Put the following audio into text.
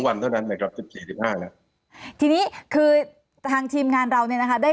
๒วันเท่านั้น๑๔๑๕แล้วทีนี้คือทางทีมงานเราเนี่ยนะคะได้